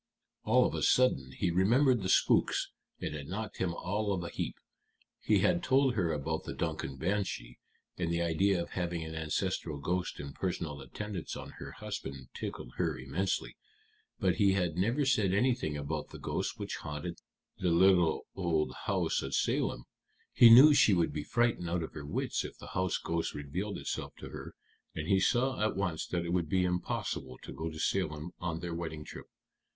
All of a sudden he remembered the spooks, and it knocked him all of a heap. He had told her about the Duncan banshee, and the idea of having an ancestral ghost in personal attendance on her husband tickled her immensely. But he had never said anything about the ghost which haunted the little old house at Salem. He knew she would be frightened out of her wits if the house ghost revealed itself to her, and he saw at once that it would be impossible to go to Salem on their wedding trip.